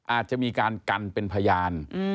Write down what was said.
อาจจะมีการกันเป็นพยาน